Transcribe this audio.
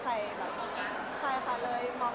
เพราะว่าเพื่อนของตัวเล็ก